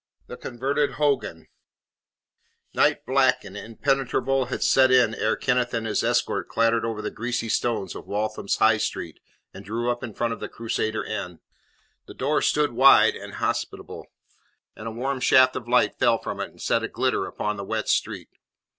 THE CONVERTED HOGAN Night black and impenetrable had set in ere Kenneth and his escort clattered over the greasy stones of Waltham's High Street, and drew up in front of the Crusader Inn. The door stood wide and hospitable, and a warm shaft of light fell from it and set a glitter upon the wet street.